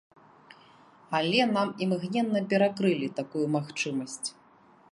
Але нам імгненна перакрылі такую магчымасць.